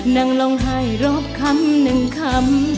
นั่งร้องไห้รอบคำหนึ่งคำ